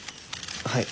はい。